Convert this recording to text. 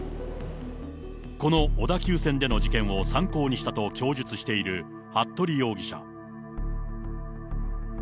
この小田急線での事件を参考にしたと供述している服部容疑者。